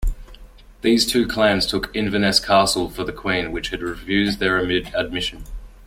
These two clans took Inverness Castle for the Queen, which had refused her admission.